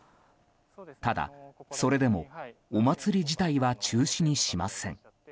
ただ、それでもお祭り自体は中止にしません。